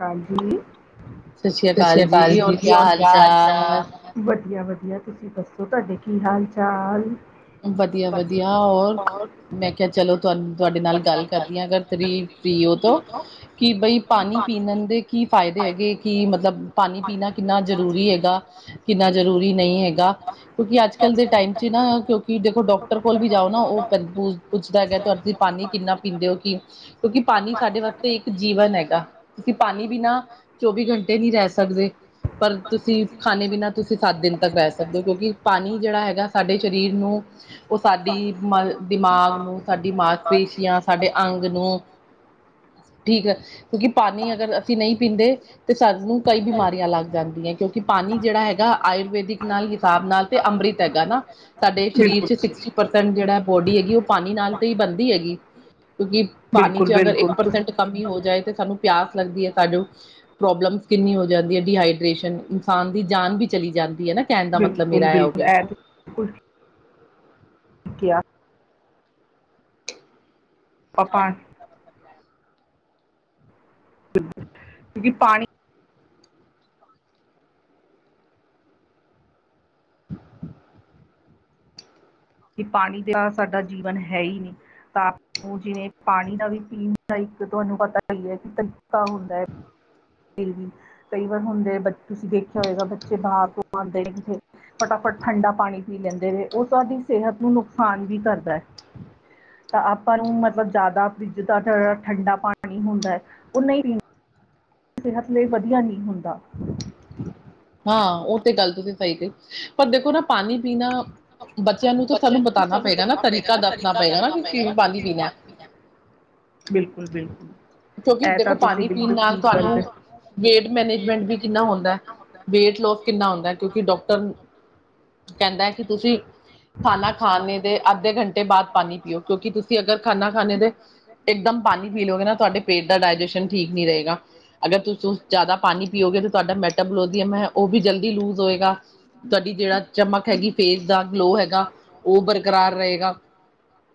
ਹਾਂਜੀ ਸਤਿ ਸ਼੍ਰੀ ਅਕਾਲ ਜੀ, ਦੀਦੀ ਹੋਰ ਕਿਆ ਹਾਲ ਚਾਲ? ਵਧੀਆ ਵਧੀਆ, ਤੁਸੀਂ ਦੱਸੋ ਤੁਹਾਡੇ ਕੀ ਹਾਲ ਚਾਲ? ਵਧੀਆ ਵਧੀਆ ਹੋਰ, ਮੈਂ ਕਿਹਾ ਚਲੋ ਤੁਹਾ ਤੁਹਾਡੇ ਨਾਲ ਗੱਲ, ਕਰਦੀ ਆਂ ਅਗਰ ਫ੍ਰੀ ਫ੍ਰੀ ਹੋ ਤੋਂ। ਕਿ ਬਈ ਪਾਣੀ ਪੀਵਣ ਦੇ ਕੀ ਫਾਇਦੇ ਹੈਗੇ ਕਿ ਮਤਲਬ ਪਾਣੀ ਪੀਣਾ ਕਿੰਨਾ ਜ਼ਰੂਰੀ ਹੈਗਾ। ਕਿੰਨਾ ਜ਼ਰੂਰੀ ਨਹੀਂ ਹੈਗਾ, ਕਿਉਂਕਿ ਅੱਜ ਕੱਲ੍ਹ ਦੇ ਟਾਈਮ 'ਚ ਨਾ ਕਿਉਂਕਿ ਦੇਖੋ, ਡਾਕਟਰ ਕੋਲ ਵੀ ਜਾਓ ਨਾ ਉਹ ਪ ਪੁੱਛਦਾ ਹੈਗਾ ਤੁਹਾਡੇ ਕਿ ਪਾਣੀ ਕਿੰਨਾ ਪੀਂਦੇ ਹੋ ਕਿ। ਕਿਉਂਕਿ ਪਾਣੀ ਸਾਡੇ ਵਾਸਤੇ ਇੱਕ ਜੀਵਨ ਹੈਗਾ। ਤੁਸੀਂ ਪਾਣੀ ਬਿਨਾ ਚੌਵੀ ਘੰਟੇ ਨਹੀਂ ਰਹਿ ਸਕਦੇ। ਪਰ ਤੁਸੀਂ ਖਾਣੇ ਬਿਨਾਂ ਤੁਸੀਂ ਸੱਤ ਦਿਨ ਤੱਕ ਰਹਿ ਸਕਦੇ ਹੋ ਕਿਉਂਕਿ ਪਾਣੀ ਜਿਹੜਾ ਹੈਗਾ ਸਾਡੇ ਸਰੀਰ ਨੂੰ ਉਹ ਸਾਡੀ ਮ ਦਿਮਾਗ ਨੂੰ, ਸਾਡੀ ਮਾਸ ਪੇਸ਼ੀਆਂ, ਸਾਡੇ ਅੰਗ ਨੂੰ ਠੀਕ ਹੈ, ਕਿਉਂਕਿ ਪਾਣੀ ਅਗਰ ਅਸੀਂ ਨਹੀਂ ਪੀਂਦੇ ਤੇ ਸਾਨੂੰ ਕਈ ਬਿਮਾਰੀਆਂ ਲੱਗ ਜਾਂਦੀਆਂ ਕਿਉਂਕਿ ਪਾਣੀ ਜਿਹੜਾ ਹੈਗਾ ਆਯੁਰਵੈਦਿਕ ਨਾਲ ਹਿਸਾਬ ਨਾਲ ਤੇ ਅੰਮ੍ਰਿਤ ਹੈਗਾ ਨਾ। ਸਾਡੇ ਸਰੀਰ 'ਚ ਸਿਕਸਟੀਂ ਪਰਸੈਂਟ ਜਿਹੜਾ ਬੋਡੀ ਹੈਗੀ ਉਹ ਪਾਣੀ ਨਾਲ ਤੇ ਹੀ ਬਣਦੀ ਹੈਗੀ। ਕਿਉਂਕਿ ਪਾਣੀ ਬਿਲਕੁਲ 'ਚ ਅਗਰ ਇੱਕ ਬਿਲਕੁਲ ਤੁਸ ਪਰਸੈਂਟ ਕਮੀ ਹੋ ਜਾਏ ਤੇ ਸਾਨੂੰ ਪਿਆਸ ਲੱਗਦੀ ਹੈ, ਸਾਨੂੰ - ਪ੍ਰੋਬਲਮਸ ਕਿੰਨੀ ਹੋ ਜਾਂਦੀ ਆਂ ਡੀਹਾਈਡ੍ਰੇਸ਼ਨ, ਇਨਸਾਨ ਦੀ ਜਾਨ ਵੀ ਚਲੀ ਜਾਂਦੀ ਹੈ ਨਾ। ਕਹਿਣ ਦਾ ਮਤਲਬ ਬਿਲਕੁਲ ਮੇਰਾ ਐਹ ਹੋ ਬਿਲਕੁਲ ਇਹ ਗਿਆ। ਤੇ ਕੇਹਾ [unintelligible] ਕਿਉਂਕਿ ਪਾਣੀ ਕਿ ਪਾਣੀ ਬਿਨਾ ਸਾਡਾ ਜੀਵਨ ਹੈ ਹੀ ਨਹੀ। [unintelligible] ਫਿਰ ਵੀ ਕਈ ਵਾਰ ਹੁੰਦੇ ਤੁਸੀਂ ਦੇਖਿਆ ਹੋਏਗਾ ਬੱਚੇ ਬਾਹਰ ਘੁੰਮਣ ਆਉਂਦੇ ਕਿ ਫਟਾਫਟ ਠੰਡਾ ਪਾਣੀ ਪੀ ਲੈਂਦੇ ਨੇ ਉਹ ਸਾਡੀ ਸਿਹਤ ਨੂੰ ਨੁਕਸਾਨ ਵੀ ਕਰਦਾ ਏ। ਤਾਂ ਆਪਾਂ ਨੂੰ ਮਤਲਬ ਜਾਦਾ ਫਰਿੱਜ ਦਾ ਠੰਡਾ ਪਾਣੀ ਹੁੰਦਾ ਓ ਨਈ ਪੀਣਾ ਸਿਹਤ ਲਈ ਵਦੀਆ ਨਈ ਹੁੰਦਾ। ਹਾਂ ਓ ਤੇ ਗੱਲ ਤੁਸੀਂ ਸਹੀ ਕਹੀ ਪਰ ਦੇਖੋ ਨਾ ਪਾਣੀ ਪੀਣਾ ਬੱਚੇਆਂ ਨੂੰ ਤਾਂ ਸਾਨੂੰ ਬਤਾਣਾ ਪਏਗਾ ਨਾ ਤਰੀਕਾ ਦੱਸਣਾ ਪਏਗਾ ਨਾ ਕਿ ਕਿਵੇਂ ਪਾਣੀ ਪੀਣਾ ਬਿਲਕੁਲ-ਬਿਲਕੁਲ ਕਿਉਂਕਿ ਏਹ ਤਾਂ ਦੇਖੋ ਤੁਸੀਂ ਪਾਣੀ ਪੀਣ ਬਿਲਕੁਲ ਨਾਲ ਠੀਕ ਗੱਲ ਤੁਹਾਨੂੰ ਦੱਸੀ ਵੇਟ ਮੈਨੇਜਮੈਂਟ ਵੀ ਕਿੰਨਾ ਹੁੰਦਾ। ਵੇਟ ਲੋਸ ਕਿੰਨਾ ਹੁੰਦਾ ਕਿਓਕਿ ਡਾਕਟਰ, ਕਹਿੰਦਾ ਹੈ ਕਿ ਤੁਸੀਂ ਖਾਨਾ ਖਾਨ ਦੇ ਅੱਦੇ ਘੰਟੇ ਬਾਦ ਪਾਣੀ ਪੀਓ ਕਿਓਕਿ ਤੁਸੀਂ ਅਗਰ ਖਾਣੇ ਦੇ, ਇੱਕਦਮ ਪਾਣੀ ਪੀ ਲਵੋ ਤਾਂ ਤੁਆਡੇ ਪੇਟ ਦਾ ਡਾਇਜੈਸ਼ਨ ਠੀਕ ਨੀ ਰਹੇਗਾ। ਅਗਰ ਤੁਸੀਂ ਜਾਦਾ ਪਾਣੀ ਪੀਓਗੇ ਤਾਂ ਤੁਆਡਾ ਮੈਟਬਲੋਦੀਅਮ ਹੈ ਓ ਵੀ ਜਲਦੀ ਲੂਜ ਹੋਏਗਾ। ਤੁਆਡੀ ਜਿਹੜਾ ਚਮਕ ਹੈਗੀ ਫੇਸ ਦਾ ਗਲੋ ਹੈਗਾ ਓ ਬਰਕਰਾਰ ਰਹੇਗਾ।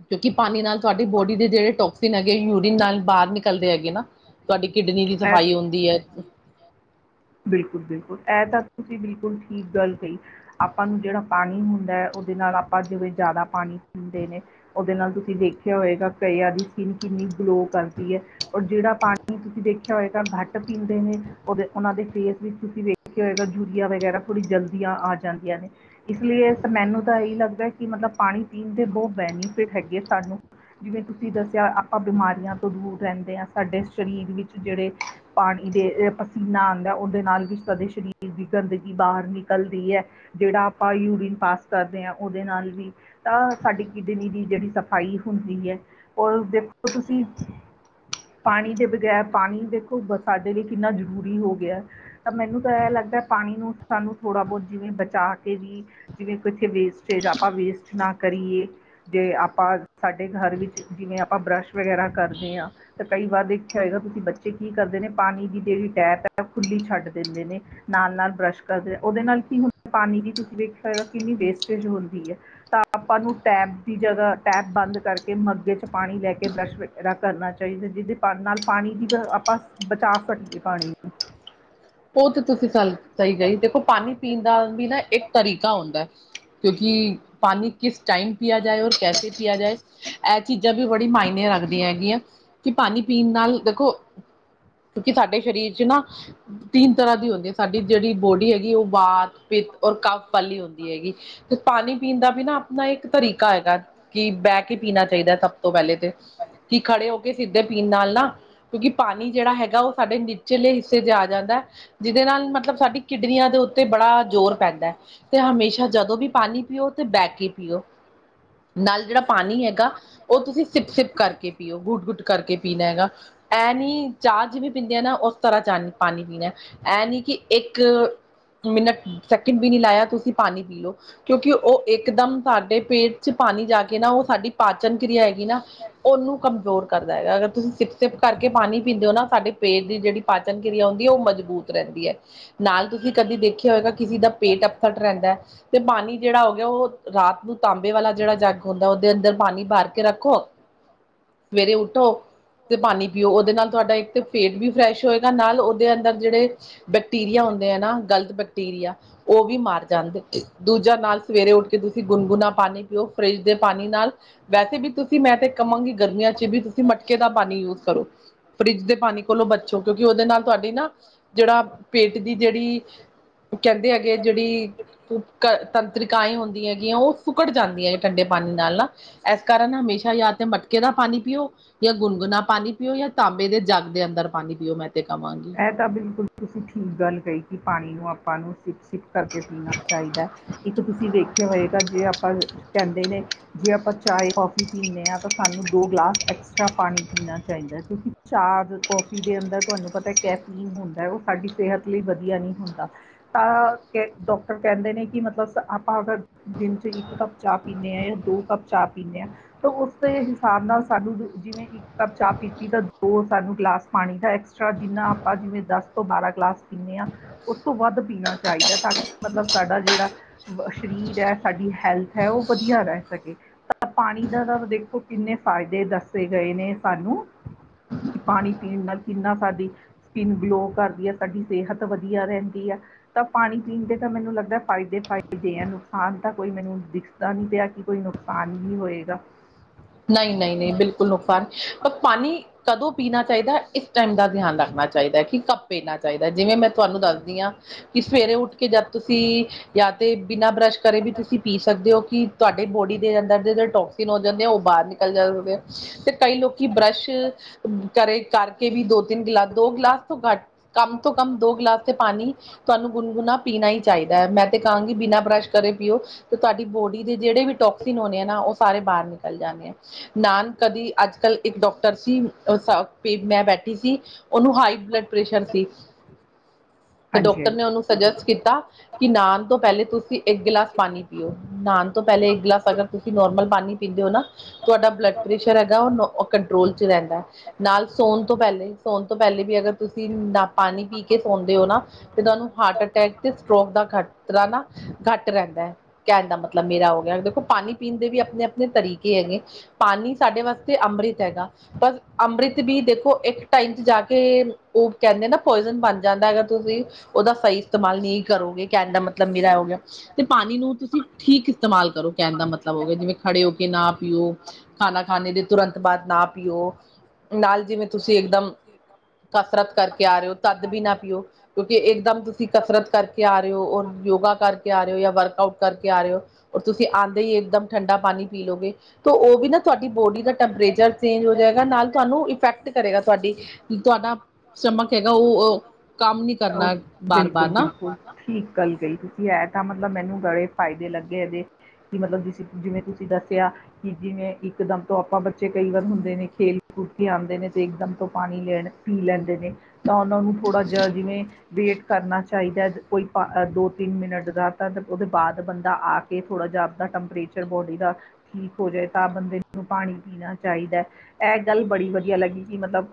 ਕਿਓਕਿ ਪਾਣੀ ਨਾਲ ਤੁਆਡੀ ਬੋਡੀ ਦੇ ਜਿਹੜੇ ਟੋਕਸੀਨ ਹੈਗੇ ਯੂਰੀਨ ਨਾਲ ਬਾਹਰ ਨਿਕਲਦੇ ਹੈਗੇ ਨਾ। ਤੁਆਡੀ ਕਿਡਨੀ ਦੀ ਇਹ ਸਫ਼ਾਈ ਹੁੰਦੀ ਏ। ਬਿਲਕੁਲ-ਬਿਲਕੁਲ ਏਹ ਤਾਂ ਤੁਸੀਂ ਬਿਲਕੁਲ ਠੀਕ ਗੱਲ ਕਈ। ਆਪਾਂ ਨੂੰ ਜੇੜਾ ਪਾਣੀ ਹੁੰਦਾ ਹੈ ਓਦੇ ਨਾਲ ਆਪਾਂ ਜਿਵੇਂ ਜਾਦਾ ਪਾਣੀ ਪੀਂਦੇ ਨੇ ਓਦੇ ਨਾਲ ਤੁਸੀਂ ਦੇਖਿਆ ਹੋਏਗਾ ਕਈਆ ਦੀ ਸਕਿਨ ਕਿੰਨੀ ਗਲੋ ਕਰਦੀ ਏ। ਔਰ ਜੇੜਾ ਪਾਣੀ ਤੁਸੀਂ ਦੇਖਿਆ ਹੋਏਗਾ ਘੱਟ ਪੀਂਦੇ ਨੇ ਓਦੇ ਓਨਾਂ ਦੇ ਫੇਸ ਵਿੱਚ ਤੁਸੀਂ ਵੇਖ ਕੇ ਹੋਏਗਾ ਯੂਰੀਆ ਵਗੈਰਾ ਥੋੜੀ ਜਲਦੀ ਆ ਜਾਂਦੀਆਂ ਨੇ। ਇਸ ਲਈ ਮੈਨੂੰ ਤਾਂ ਏਹੀ ਲੱਗਦਾ ਕਿ ਮਤਲਬ ਪਾਣੀ ਪੀਣ ਦੇ ਬਹੁਤ ਬੈਨੀਫਿਟ ਹੈਗੇ ਆ ਸਾਨੂੰ ਜਿਵੇਂ ਤੁਸੀਂ ਦੱਸਿਆ ਆਪਾਂ ਬਿਮਾਰੀਆਂ ਤੋਂ ਦੂਰ ਰਹਿੰਦੇ ਹਾਂ ਸਾਡੇ ਸਰੀਰ ਵਿੱਚ ਜੇੜੇ ਪਾਣੀ ਦੇ ਪਸੀਨਾ ਆਦਾ ਓਦੇ ਨਾਲ ਵੀ ਤੁਆਡੇ ਸਰੀਰ ਦੀ ਗੰਦਗੀ ਬਾਹਰ ਨਿਕਲਦੀ ਐ। ਜੇੜਾ ਆਪਾਂ ਯੂਰੀਨ ਪਾਸ ਕਰਦੇ ਹਾਂ ਓਦੇ ਨਾਲ ਵੀ ਤਾਂ ਸਾਡੀ ਕਿਡਨੀ ਦੀ ਜੇੜੀ ਸਫ਼ਾਈ ਹੁੰਦੀ ਐ ਔਰ ਦੇਖੋ ਤੁਸੀਂ ਪਾਣੀ ਦੇ ਬਗੈਰ ਪਾਣੀ ਦੇਖੋ ਸਾਡੇ ਲਈ ਕਿੰਨਾ ਜ਼ਰੂਰੀ ਹੋ ਗਿਆ। ਮੈਨੂੰ ਤਾਂ ਏਹ ਲੱਗਦਾ ਪਾਣੀ ਨੂੰ ਸਾਨੂੰ ਥੋੜਾ ਬਹੁਤ ਜਿਵੇਂ ਬਚਾ ਕੇ ਵੀ ਜਿਵੇਂ ਵੇਸਟੇਜ ਆਪਾਂ ਵੇਸਟ ਨਾ ਕਰੀਏ। ਜੇ ਆਪਾਂ ਸਾਡੇ ਘਰ ਵਿੱਚ ਜਿਵੇਂ ਆਪਾਂ ਬਰੱਸ਼ ਵਗੈਰਾ ਕਰਦੇ ਆ। ਤੇ ਕਈ ਵਾਰ ਵੇਖਿਆ ਹੋਏਗਾ ਤੁਸੀਂ ਬੱਚੇ ਕੀ ਕਰਦੇ ਨੇ ਪਾਣੀ ਦੀ ਜੇੜੀ ਟੈਪ ਓ ਖੁੱਲੀ ਛੱਡ ਦਿੰਦੇ ਨੇ। ਨਾਲ-ਨਾਲ ਬਰੱਸ਼ ਕਰਦੇ ਓਦੇ ਨਾਲ ਕੀ ਹੁੰਦਾ ਪਾਣੀ ਦੀ ਤੁਸੀਂ ਵੇਖਿਆ ਹੋਏਗਾ ਕਿੰਨੀ ਵੇਸਟੇਜ ਹੁੰਦੀ ਹੈ। ਤਾਂ ਆਪਾਂ ਨੂੰ ਟੈਪ ਦੀ ਜਗਾ ਟੈਪ ਬੰਦ ਕਰਕੇ ਮੱਗੇ ਚ ਪਾਣੀ ਲੈ ਕੇ ਬਰੱਸ਼ ਕਰਨਾ ਚਾਈਦਾ ਜਿਦੇ ਪਾ ਨਾਲ ਪਾਣੀ ਦੀ ਆਪਾਂ ਬਚਾ ਸਕੀਏ ਪਾਣੀ ਓਹੁਤ ਤੁਸੀਂ ਸਹੀ ਗਈ ਦੇਖੋ ਪਾਣੀ ਪੀਣ ਦਾ ਨਾ ਇੱਕ ਤਰੀਕਾ ਹੁੰਦਾ ਕਿਓਕਿ ਪਾਣੀ ਕਿਸ ਟਾਈਮ ਪਿਆ ਜਾਏ ਔਰ ਕੈਸੇ ਪਿਆ ਜਾਏ ਏਹ ਚੀਜ਼ਾਂ ਵੀ ਬੜੀ ਮਾਇਨੇ ਰੱਖਦੀਆਂ ਹੈਗੀਆਂ। ਕਿ ਪਾਣੀ ਪੀਣ ਨਾਲ ਦੇਖੋ ਕਿਓਕਿ ਸਾਡੇ ਸਰੀਰ ਚ ਨਾ ਤਿੰਨ ਤਰਾਂ ਦੀ ਹੁੰਦੀ ਸਾਡੀ ਜੇੜੀ ਬੋਡੀ ਹੈਗੀ ਓ ਵਾਤ, ਪਿੱਤ, ਔਰ ਕਵ ਵਾਲੀ ਹੁੰਦੀ ਹੈਗੀ। ਪਾਣੀ ਪੀਣ ਦਾ ਆ ਨਈ ਇੱਕ ਤਰੀਕਾ ਹੈਗਾ ਕਿ ਬਹਿ ਕੇ ਪੀਣਾ ਚਾਈਦਾ ਸਭ ਤੋਂ ਪਹਿਲੇ ਤੇ ਕਿ ਖੜੇ ਹੋ ਕੇ ਸਿੱਧੇ ਪੀਣ ਨਾਲ ਨਾ ਕਿਓਕਿ ਪਾਣੀ ਜੇੜਾ ਹੈਗਾ ਓ ਸਾਡੇ ਨੀਚਲੇ ਹਿੱਸੇ ਜਾ ਜਾਂਦਾ ਜਿਦੇ ਨਾਲ ਮਤਲਬ ਸਾਡੀ ਕਿਡਨੀਆਂ ਦੇ ਓਤੇ ਤੇ ਬੜਾ ਜ਼ੋਰ ਪੈਂਦਾ, ਤੇ ਹਮੇਸ਼ਾ ਜਦੋਂ ਵੀ ਪਾਣੀ ਪੀਓ ਤੇ ਬਹਿ ਕੇ ਪੀਓ। ਨਾਲ ਜਿੜਾ ਪਾਣੀ ਹੈਗਾ ਓ ਤੁਸੀਂ ਸਿਪ-ਸਿਪ ਕਰਕੇ ਪੀਓ ਗੁੱਟ-ਗੁੱਟ ਕਰਕੇ ਪੀਣਾ ਹੈਗਾ, ਐਂ ਨੀ ਚਾਹ ਜਿਵੇਂ ਪੀਂਦੇ ਆ ਨਾ ਓਸ ਤਰਾਂ ਚਾਹ ਪਾਣੀ ਪੀਣਾ ਐ ਨੀ ਕਿ ਇੱਕ ਮਿੰਨਟ ਸੈਕਿੰਡ ਵੀ ਨੀ ਲਾਇਆ ਤੁਸੀਂ ਪਾਣੀ ਪੀਉ। ਕਿਉਂਕਿ ਓ ਇਕਦਮ ਸਾਡੇ ਪੇਟ ਚ ਪਾਣੀ ਜਾ ਨਾ ਓ ਸਾਡੀ ਪਾਚਨ ਕਿ੍ਰਆ ਹੈਗੀ ਨਾ। ਉਨੂੰ ਕਮਜ਼ੋਰ ਕਰਦੈਗਾ ਅਗਰ ਤੁਸੀਂ ਸਿੱਪ-ਸਿਪ ਕਰਕੇ ਪਾਣੀ ਪੀਂਦੇਓ ਨਾ ਸਾਡੇ ਪੇਟ ਦੀ ਜੇੜੀ ਪਾਚਨ ਕ੍ਰਿਆ ਉਂਦੀ ਐ ਓ ਮਜ਼ਬੂਤ ਰੈਂਦੀ ਐ, ਨਾਲ ਤੁਸੀਂ ਕਦੀ ਦੇਖਿਆ ਹੋਏਗਾ ਕਿਸੀ ਦਾ ਪੇਟ ਅਪਸਟ ਰਹਿੰਦੈ। ਤੇ ਪਾਣੀ ਜੇੜਾ ਹੋਗਿਆ ਓ ਰਾਤ ਨੂੰ ਤਾਂਬੇ ਵਾਲਾ ਜੇੜਾ ਜੱਗ ਹੁੰਦੈ ਉਦੇ ਅੰਦਰ ਪਾਣੀ ਭਰ ਕੇ ਰੱਖੋ। ਸਵੇਰੇ ਉਠੋ ਤੇ ਪਾਣੀ ਪੀਓ, ਉਦੇ ਨਾਲ ਤੁਆਡਾ ਇੱਕ ਤੇ ਪੇਟ ਵੀ ਫਰੈਸ਼ ਹੋਏਗਾ ਨਾਲ ਉਹਦੇ ਅੰਦਰ ਜੇੜੇ ਬੈਕਟੀਰੀਆ ਹੁੰਦੇ ਐ ਨਾ ਗਲਤ ਬੈਕਟੀਰੀਆ ਉ ਵੀ ਮਾਰ ਜਾਂਦੇ ਅ-ਅ। ਦੂਜਾ ਨਾਲ ਸਵੇਰੇ ਉਠ ਕੇ ਤੁਸੀਂ ਗੁਨਗੁਨਾ ਪਾਣੀ ਪੀਓ ਫਰਿੱਜ ਦੇ ਪਾਣੀ ਨਾਲ ਵੈਸੇ ਵੀ ਤੁਸੀਂ ਮੈਂ ਤੇ ਕਵਾਗੀ ਗਰਮੀਆਂ 'ਚ ਵੀ ਤੁਸੀਂ ਮਟਕੇ ਦਾ ਪਾਣੀ ਯੂਸ ਕਰੋ। ਫਡਿੱਜ ਦੇ ਪਾਣੀ ਕੋਲੋਂ ਬਚੋ ਕਿਉਂਕਿ ਉਦੇ ਨਾਲ ਤੋਹਾਡੀ ਨਾ ਜੇੜਾ ਪੇਟ ਦੀ ਜੇੜੀ ਕੈਂਦੇ ਹੈਗੇ ਜਿੜੀ ਤੁਪ-ਕ ਤੰਤਰਿਕਾਏਂ ਹੋਂਦੀ ਐਗੀਐਂ ਓ ਸੁਕੜ ਜਾਂਦੀਆ ਐਂ ਠੰਡੇ ਪਾਣੀ ਨਾਲ ਨਾ। ਐਸ ਕਾਰਨ ਹਮੇਸ਼ਾ ਯਾ ਤੇ ਮਟ ਕੇਣਾ ਪਾਣੀ ਪੀਓ ਜਾਂ ਗੁਨਗੁਣਾ ਪਾਣੀ ਪੀਓ ਜਾਂ ਤਾਂਬੇ ਦੇ ਜਗ ਦੇ ਅੰਦਰ ਪਾਣੀ ਪੀਓ ਮੈਂ ਤੇ ਕਵਾਂਗੀ। ਐਤਾਂ ਬਿਲਕੁਲ ਤੁਸੀਂ ਠੀਕ ਗੱਲ ਕਈ ਕੀ ਪਾਣੀ ਨੂੰ ਆਪਾਂ ਨੂੰ ਸਿਪ-ਸਿਪ ਕਰਕੇ ਪੀਣਾ ਚਾਹੀਦੈ। ਇੱਕ ਤੁਸੀਂ ਵੇਖਿਆ ਹੋਏਗਾ ਜੇ ਆਪਾ ਕੈਂਦੇ ਨੇ, ਜੇ ਆਪਾ ਚਾਏ, ਕੌਫੀ ਪੀਨੇਆਂ ਤਾ ਸਾਨੂੰ ਦੋ ਗਲਾਸ ਐਕਸਟਰਾ ਪਾਣੀ ਪੀਣਾ ਚਾਹੀਦੈ ਕਉਂਕਿ ਚਾ, ਕੌਫੀ ਦੇ ਅੰਦਰ ਧੁਆਨੂੰ ਪਤਾ ਕੈਫੀਨ ਹੁੰਦੈ ਓ ਸਾਡੀ ਸੇਹਤ ਲਈ ਵਧੀਆ ਨੀਂ ਹੁੰਦਾ। ਤਾਂ ਕੇ ਡੋਕਟਰ ਕੈਂਦੇ ਨੇ ਕਿ ਮਤਲਬ ਸ ਆਪਾ ਅਗਰ ਦਿਨ ਚ ਇੱਕ ਕੱਪ ਚਾਅ ਪੀਂਨੇਆਂ ਜਾਂ ਦੋ ਕੱਪ ਚਾਅ ਪੀਂਨੇਆਂ। ਤੋ ਉਸਦੇ ਹਿਸਾਬ ਨਾਲ ਸਾਨੂੰ ਜ ਜਿਵੇਂ ਇੱਕ ਇਕ ਕਪ ਚਾਅ ਪੀਤੀ ਤਾ ਦੋ ਸਾਨੂੰ ਗਲਾਸ ਪਾਣੀ ਦਾ ਐਕਸਟਰਾ ਜਿੰਨਾ ਆਪਾਂ ਜਿਵੇਂ ਦਸ ਤੋਂ ਬਾਰਾਂ ਗਲਾਸ ਪੀਂਨੇਆਂ ਉਸ ਤੋਂ ਵੱਧ ਪੀਣਾ ਚਾਈਦੈ ਤਾਂਕਿ ਮਤਲਬ ਸਾਡਾ ਜੇੜਾ ਬ ਸਰੀਰ ਐ ਸਾਡੀ ਹੈਲਥ ਐ ਓ ਵਧੀਆ ਰਹਿ ਸਕੇ। ਅ ਪਾਣੀ ਦਾ ਦ ਦੇਖੋ ਕਿੰਨੇ ਫਾਇਦੇ ਦੱਸੇ ਗਏ ਨੇ ਸਾਨੂੰ।। ਕਿ ਪਾਣੀ ਪੀਣ ਨਾਲ ਕਿੰਨਾ ਸਾਡੀ ਸਕਿੰਨ ਗਲੋਅ ਕਰਦੀਐ ਸਾਡੀ ਸਿਹਤ ਵਧੀਆ ਰੈਂ ਕੀ ਐ ਤਾ ਪਾਣੀ ਪੀਣ ਦੇ ਤਾ ਮੈਨੂੰ ਲੱਗਦਾ ਫਾਇਦੇ -ਫਾਇਦ ਐ ਨੁਕਸਾਨ ਤਾ ਕੋਈ ਮੈਨੂੰ ਦਿਖ [unintelligible] ਨੀ ਪਿਆ ਕੀ ਕੋਈ ਨੁਕਸਾਨ ਹੀ ਹੋਏਗਾ। ਨਈ-ਨਈ-ਨਈ, ਬਿਲਕੁਲ ਉਪਰ ਪਰ ਪਾਣੀ ਕਦੋਂ ਪੀਣਾ ਚਾਹੀਦੈ ਇਸ ਟਾਈਮ ਧਿਯਾਨ ਰਾਖਣਾ ਚਾਈਦੈ ਕੀ ਕਬ ਪੀਣਾ ਚਾਹੀਦੈ ਜਿਵੇਂ ਮੈਂ ਤੂੰਹਾਨੂੰ ਦਸਦੀ ਆਂ ਕੀ ਸਵੇਰੇ ਉੱਠ ਕੇ ਜਦ ਤੁਸੀਂ ਜਾਂ ਤੇ ਬਿਨਾਂ ਬਰੱਸ਼ ਕਰੇ ਵੀ ਤੁਸੀਂ ਪੀ ਸਕਦੇ ਓ ਕੀ ਧੋਆਡੇ ਬੋਡੀ ਦੇ ਅੰਦਰ ਜੇਰੇ ਟੌਕਸੀਨ ਓ ਜਾਂਦੇ ਆ ਓ ਬਾਰ ਨਿਕਲ ਜਾ ਹੋਵੇ ਸ਼ ਤੇ ਕਈ ਲੋਕੀ ਬਰੱਸ਼ ਕਰੇ- ਕਰਕੇ ਵੀ ਦੋ ਤਿੰਨ ਗਿਲਾਸ ਦੋ ਗਿਲਾਸ ਤੋਂ ਘੱਟ ਕਮ ਤੋਂ ਕਮ ਦੋ ਗਿਲਾਸ ਤੇ ਪਾਣੀ ਤੁਹਾਨੂੰ ਗੁਨਗੁਣਾ ਪੀਨਾਂ ਈ ਚਾਹੀਦੈ, ਮੈਂ ਤੇ ਕਾਂਗੀ ਬਿਨਾਂ ਬਰੱਸ਼ ਕਰੇ ਪੀਓ। ਤੇ ਤੁਆਡੀ ਬੋਡੀ ਦੇ ਜਿਹੜੇ ਵੀ ਟੌਕਸੀਨ ਹੋਣੈ ਐ ਨਾ ਓ ਸਾਰੇ ਬਾਰ ਨਿਕਲ ਜਾਣੇ ਐ। ਨਾਨ ਕਦੀ ਅੱਜ-ਕੱਲ ਇੱਕ ਡੌਕਟਰ ਸੀ ਅ-ਸ ਪੇ- ਮੈਂ ਬੈਠੀ ਸੀ ਓਨੂੰ ਹਾਈ ਬਲੱਡ ਪ੍ਰੈਸ਼ਰ ਸੀ ਤੇ ਹਾਂਜੀ ਡਾਕਟਰ ਨੇ ਹਾਂਜੀ ਉਨੂੰ ਸਜਸਟ ਕੀਤਾ ਕੀ ਨਾਨ ਤੋਂ ਪੈਲੇ ਤੁਸੀਂ ਇੱਕ ਗੀਲਾਸ ਪਾਣੀ ਪੀਓ, ਨਾਨ ਤੋ ਪੈਲੇ ਇੱਕ ਗੀਲਾਸ ਅਗਰ ਤੁਸੀਂ ਨੌਰਮਲ ਪਾਣੀ ਨਾਂ ਤੋਆਡਾ ਬਲੱਡ ਪ੍ਰੈਸ਼ਰ ਹੈਗਾ ਉ ਕੰਟਰੋਲ ਚ ਰਹਿੰਦੈ। ਨਾਲ ਸੋਣ ਤੋਂ ਪੈਲੇ ਸੋਣ ਤੋਂ ਪੈਲੇ ਵੀ ਅਗਰ ਤੁਸੀਂ ਨਾ ਪਾਣੀ ਪੀ ਕੇ ਸੋਂਦੇ ਓ ਨਾ ਤੇ ਤੁਹਾਨੂੰ ਹਾਰਟ ਅਟੈਕ ਤੇ ਸਟੋਕ ਦਾ ਖਾਤਰਾ ਨਾ ਘੱਟ ਰਹਿੰਦੈ ਕੈਣ ਦਾ ਮਤਲਬ ਮੇਰਾ ਹੋ ਗਿਆ ਦੇਖੋ ਪਾਣੀ ਪੀਣ ਦੇ ਵੀ ਆਪਣੇ-ਆਪ ਤਰੀਕੇ ਹੈਗੇ, ਪਾਣੀ ਸਾਡੇ ਵਾਸਤੇ ਅੰਮ੍ਰਿਤ ਹੈਗਾ, ਬਸ ਅੰਮ੍ਰਿਤ ਵੀ ਦੇਖੋ, ਇੱਕ ਟਾਈਮ 'ਚ ਜਾ ਕੇ ਓ ਕੈਂਦੇ ਅ ਨਾ, ਪੋਇਜ਼ਨ ਬਣ ਜਾਂਦਾ ਹੈਗਾ ਤੁਸੀਂ ਓਦਾ ਸਈ ਇਸਤੇਮਾਲ ਨਈ ਕਰੋਗੇ, ਕੈਣ ਦਾ ਮਤਲਬ ਮੇਰਾ ਐ ਈ ਆ। ਤੇ ਪਾਣੀ ਨੂੰ ਤੁਸੀਂ ਠੀਕ ਇਸਤੇਮਾਲ ਕਰੋ, ਕੈਣ ਦਾ ਮਤਲਬ ਹੋ ਗਿਆ ਜਿਵੇਂ ਖੜੇ ਹੋ ਕੇ ਨਾ ਪੀਓ, ਖਾਣਾ ਖਾਣ ਦੇ ਤੁਰੰਤ ਬਾਦ ਨਾ ਪੀਓ ਨਾਲ ਜਿਵੇਂ ਤੁਸੀਂ ਇੱਕਦਮ ਕਸਰਤ ਕਰਕੇ ਆ ਰਹੇ ਓ, ਤੱਦ ਵੀ ਨਾ ਪੀਓ, ਕਿਓਕੇ ਇੱਕਦਮ ਤੁਸੀਂ ਕਸਰਤ ਕਰਕੇ ਆ ਰਹੇ ਓ ਔਰ ਯੋਗਾ ਕਰਕੇ ਆ ਰਹੇ ਓ, ਜਾਂ ਵਰਕ ਆਊਟ ਕਰਕੇ ਆ ਰਹੇ ਓ ਔਰ ਤੁਸੀਂ ਆਂਦੇ ਈ ਇੱਕਦਮ ਠੰਡਾ ਪਾਣੀ ਪੀ ਲੋਗੇ ਤੇ ਓਵੀ ਨਾ ਤੁਆਡੀ ਬੋਡੀ ਦਾ ਤੁਹਾਨੂੰ ਟੈਂਪਰੇਚਰ ਚੇਂਜ ਉੱਥੇ ਹੋ ਟੈਂਪਰੇਚਰ ਜਾਏਗਾ, ਚੇਂਜ ਹੋ ਨਾਲ ਜਾਏਗਾ, ਤੁਹਾਨੂੰ ਇਫੈਕਟ ਕਰੇਗਾ ਤੁਹਾਡੀ ਕਰੇਗਾ ਸਾਡੀ ਤੁਆਡਾ ਸ਼ਮਕ ਹੈਗਾ, ਚਮਕ ਓ ਕੰਮ ਨੀ ਹੈਗਾ ਉਹ ਉਹ ਕਰਨਾ ਬਾਰ-ਬਾਰ ਬਿਲਕੁਲ ਨਾ ਬਿਲਕੁਲ ਠੀਕ ਗੱਲ ਕਈ, ਤੁਸੀਂ ਐ ਤਾਂ ਮਤਲਬ ਮੈਨੂੰ ਬੜੇ ਫਾਇਦੇ ਲੱਗੇ ਏਹਦੇ ਕਿ ਮਤਲਬ ਤੁਸੀਂ, ਜਿਵੇਂ ਤੁਸੀਂ ਦੱਸੇਆ। ਕਿ ਜਿਵੇਂ ਇਕ ਦਮ ਤੋਂ ਆਪਾਂ ਬੱਚੇ ਕਈ ਵਾਰ ਹੁੰਦੇ ਨੇ, ਖੇਲ ਕੂਦ ਕੇ ਆਂਦੇ ਨੇ ਇਕਦਮ ਤੋਂ ਪਾਣੀ ਲੈਣ ਪੀ ਲੈਂਦੇ ਨੇ, ਤਾਂ ਓਨਾਂ ਨੂੰ ਥੋੜ੍ਹਾ ਜਿਹਾ ਜਿਵੇਂ ਵੇਟ ਕਰਨਾ ਚਾਈਦਾ, ਕੋਈ ਦੋ, ਤਿੰਨ ਮਿੰਟ ਦਾ ਤਾਂ ਓਦੇ ਬਾਦ ਬੰਦਾ ਆ ਕਿ ਥੋੜਾ ਜਾ ਆਪਦਾ, ਟੈਂਪਰੇਚਰ ਬੋਡੀ ਦਾ ਠੀਕ ਹੋ ਜਾਏ ਤਾਂ ਬੰਦੇ ਨੂੰ ਪਾਣੀ ਪੀਣਾ ਚਾਈਦਾ, ਐ ਗੱਲ ਬੜੀ ਵਧੀਆ ਲੱਗੀ। ਵੀ ਮਤਲਬ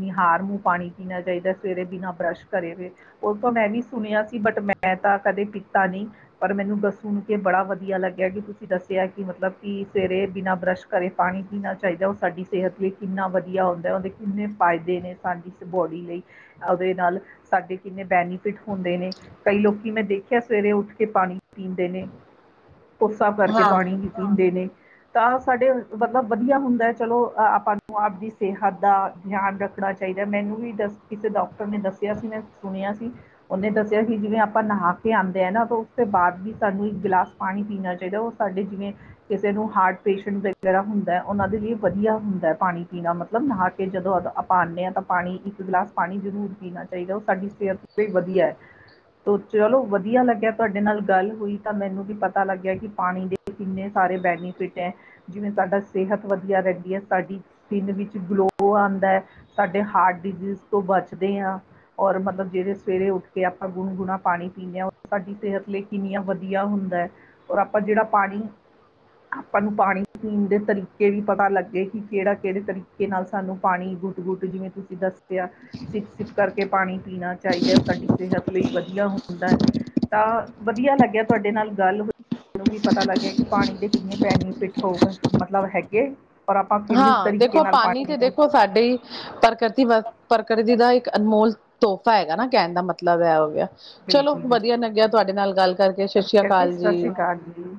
ਨਿਹਾਰ ਨੂੰ ਪਾਣੀ ਪੀਣਾ ਚਾਈਦਾ, ਸਵੇਰੇ ਬਿਨਾਂ ਬਰੱਸ਼ ਕਰੇਵੇ ਓ ਤੋਂ ਮੈਂ ਵੀ ਸੁਣਿਆ ਸੀ, ਬਟ ਮੈਂ ਤਾਂ ਕਦੇ ਪੀਤਾ ਨੀ ਪਰ ਮੈਨੂੰ ਗ ਸੁਣ ਕੇ ਬੜਾ ਵਧੀਆ ਲੱਗੇਆ ਕਿ ਤੁਸੀਂ ਦੱਸੇਆ ਕਿ ਮਤਲਬ ਕਿ, ਸਵੇਰੇ ਬਿਨਾਂ ਬਰੱਸ਼ ਕਰੇ ਵੀ ਪਾਣੀ ਪੀਣਾ ਚਾਈਦਾ, ਓ ਸਾਡੀ ਸੇਹਤ ਲਈ ਕਿੰਨਾ ਵਧੀਆ ਜਾ ਓਦਾ ਕਿੰਨੇ ਫਾਇਦੇ ਨੇ, ਸਾਡੀ ਇਸ ਬੋਡੀ ਲਈ ਓਦੇ ਨਾਲ ਸਾਡੇ ਕਿੰਨੇ ਬੈਨੀਫਿਟ ਹੁੰਦੇ ਨੇ ਕਈ ਲੋਕੀ ਮੈਂ ਦੇਖਿਆ ਸਵੇਰੇ ਉੱਠ ਕੇ ਪਾਣੀ ਪੀਂਦੇ ਨੇ। [unintelligible] ਕੋਸਾ ਕਰਕੇ ਪਾਣੀ ਨੀ ਪੀਂਦੇ ਨੇ ਤਾਂ ਸਾਡੇ ਮਤਲਬ ਵਧੀਆ ਹੁੰਦਾ ਐ ਚਲੋ, ਆਪਾਂ ਨੂੰ ਆਪਦੀ ਸੇਹਤ ਦਾ ਦਿਆਨ ਰੱਖਣਾ ਚਾਈਦਾ, ਮੈਨੂੰ ਵੀ ਦੱਸ ਕਿਸੇ ਡਾਕਟਰ ਨੇ ਦੱਸਿਆ ਸੀ, ਮੈਂ ਸੁਣਿਆ ਸੀ ਓਨੇ ਦੱਸਿਆ ਕਿ ਜਿਵੇਂ ਆਪਾਂ ਨਹਾ ਕੇ ਆਂਦੇ ਆ ਨਾ, ਓਸ ਤੋਂ ਬਾਦ ਵੀ ਸਾਨੂੰ ਇੱਕ ਗਿਲਾਸ ਪਾਣੀ ਪੀਣਾ ਚਾਈਦਾ, ਓ ਸਾਡੇ ਜਿਵੇਂ ਕਿਸੇ ਨੂੰ ਹਾਰਟ ਪੇਸ਼ੈਂਟ ਵਗੈਰਾ ਹੁੰਦਾ, ਓਨਾਂ ਦੇ ਲਈ ਵਧੀਆ ਹੁੰਦਾ ਐ, ਪਾਣੀ ਪੀਣਾ ਮਤਲਬ ਮਤਲਬ ਨਹਾ ਕੇ ਜਦੋਂ ਆਪਾਂ ਆਂਣੇ ਆਂ ਤਾਂ ਪਾਣੀ, ਇੱਕ ਗਲਾਸ ਪਾਣੀ ਜ਼ਰੂਰ ਪੀਣਾ ਚਾਈਦਾ, ਓ ਸਾਡੀ ਸਿਹਤ ਲਈ ਵਧੀਆ ਐ। ਚਲੋ ਵਧੀਆ ਲੱਗਿਆ ਤੁਹਾਡੇ ਨਾਲ ਗੱਲ ਹੋਈ, ਤਾਂ ਮੈਨੂੰ ਵੀ ਪਤਾ ਲੱਗੇਆ ਕੇ ਪਾਣੀ ਦੇ ਕਿੰਨੇ ਸਾਰੇ ਬੈਨੀਫਿਟ ਐ ਜਿਵੇਂ ਸਾਡਾ ਸਿਹਤ ਵਧੀਆ ਰੈਂਦੀ ਐ, ਸਾਡੀ ਸਕਿੰਨ ਵਿੱਚ ਗਲੋ ਆਂਦਾ ਐ, ਸਾਡੇ ਹਾਰਟ ਡਿਜ਼ੀਜ਼ ਤੋਂ ਬੱਚਦੇ ਆ ਔਰ ਮਤਲਬ ਜੇੜੇ ਸਵੇਰੇ ਉੱਠ ਕੇ ਆਪਾਂ ਗੁਣਗੁਣਾ ਪਾਣੀ ਪੀਦੇ ਆ, ਸਾਡੀ ਸੇਹਤ ਲਈ ਕਿੰਨੀਆਂ ਵਧੀਆ ਹੁੰਦਾ ਐ, ਔਰ ਆਪਾਂ ਜੇਹੜਾ ਪਾਣੀ ਆਪਾਂ ਨੂੰ ਪਾਣੀ ਪੀਣ ਦੇ ਤਰੀਕੇ ਵੀ ਪਤਾ ਲੱਗੇ, ਕੇ ਕੇਹੜਾ ਕੇਹੜੇ ਤਰੀਕੇ ਕੇ ਨਾਲ ਸਾਨੂੰ ਪਾਣੀ ਗੁੱਟ-ਗੁੱਟ, ਜਿਵੇਂ ਤੁਸੀਂ ਦੱਸਿਆ ਸਿੱਪ-ਸਿੱਪ ਕਰਕੇ ਪਾਣੀ ਪੀਣਾ ਚਾਈਦਾ ਓ ਸਾਡੀ ਸੇਹਤ ਲਈ ਵਧੀਆ ਹੁੰਦਾ। ਤਾਂ ਵਧੀਆ ਲੱਗਿਆ ਤੁਆਡੇ ਨਾਲ ਗੱਲ ਮੈਨੂੰ ਵੀ ਪਤਾ ਲੱਗਿਆ ਕਿ ਪਾਣੀ ਦੇ ਕਿੰਨੇ ਬੈਨੀਫਿਟ ਹੋ ਮਤਲਬ ਹੈਗੇ ਪਰ ਆਪਾਂ ਫਿਨਿੰਸ ਤਰੀਕੇ ਨਾਲ ਕਮੀ ਪਾਣੀ ਤੇ ਪੀਣਾ ਦੇਖੋ ਸਾਡੀ। ਪ੍ਰਕਰਤੀ ਪ੍ਰਕਰਤੀ ਦਾ ਇੱਕ ਅਨਮੋਲ ਤੋਹਫ਼ਾ ਹੈਗਾ ਨਾ ਕੈਣ ਦਾ ਮਤਲਬ ਐ ਹੋ ਗਿਆ। ਚਲੋ ਬਿਲਕੁਲ ਵਧੀਆ ਬਿਲਕੁਲ ਲੱਗਿਆ ਤੁਆਡੇ ਨਾਲ ਗੱਲ ਕਰਕੇ, ਇਸ ਸ਼ਸ਼ੀਆ ਕਰਕੇ ਕਾਲ ਸਤਿ ਸ਼੍ਰੀ ਜੀ। ਅਕਾਲ ਜੀ